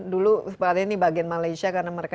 dulu sepertinya bagian malaysia karena mereka